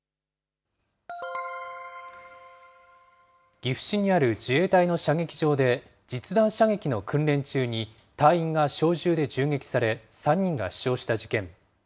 岐阜市にある自衛隊の射撃場で、実弾射撃の訓練中に隊員が小銃で銃撃され３人が死傷した事件。